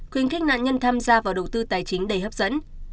khuyến khích nạn nhân tham gia vào đầu tư tài chính đầy hấp dẫn